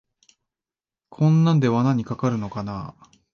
こんなんで罠にかかるのかなあ